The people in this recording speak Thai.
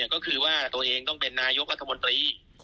ก็คือว่าตัวเองต้องเป็นนายกรัฐมนตรี